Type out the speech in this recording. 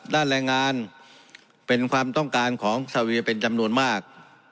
แรงงานเป็นความต้องการของซาเวียเป็นจำนวนมาก